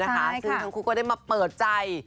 คุณก็ได้มาเปิดใจ